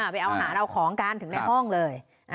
ไปเอาหาเราของกันถึงในห้องเลย